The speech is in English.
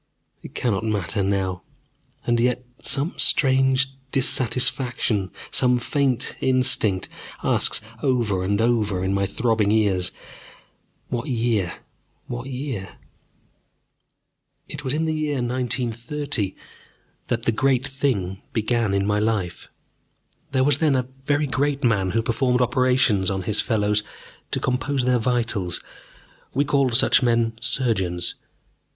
It cannot matter now. And yet some vague dissatisfaction, some faint instinct, asks over and over in my throbbing ears: What year? What year? It was in the year 1930 that the great thing began in my life. There was then a very great man who performed operations on his fellows to compose their vitals we called such men surgeons.